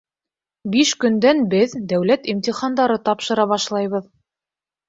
Биш көндән беҙ дәүләт имтихандары тапшыра башлайбыҙ